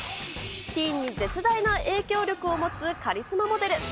ティーンに絶大な影響力を持つカリスマモデル。